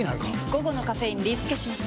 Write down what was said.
午後のカフェインリスケします！